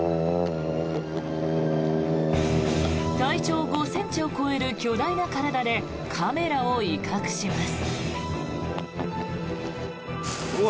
体長５ｃｍを超える巨大な体でカメラを威嚇します。